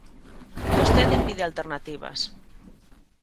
Vostede pide alternativas.